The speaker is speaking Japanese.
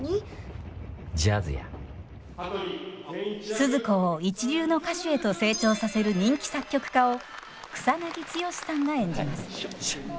スズ子を一流の歌手へと成長させる人気作曲家を草剛さんが演じます。